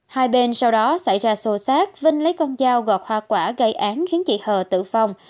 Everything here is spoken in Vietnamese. hai bên sau đó xảy ra xô xát vinh lấy con dao gọt hoa quả gây án khiến chị hờ tử vong